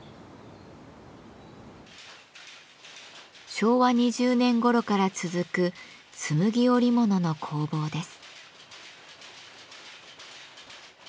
昭和２０年ごろから続くつむぎ織物の工房です。